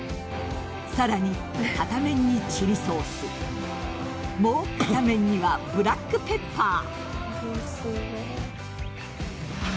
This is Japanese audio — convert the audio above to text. さらに片面にチリソースもう片面にはブラックペッパー。